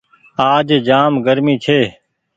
آج جآم گرمي ڇي۔